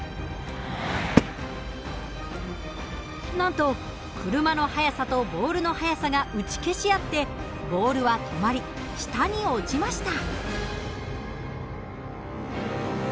なんと車の速さとボールの速さが打ち消し合ってボールは止まり下に落ちました。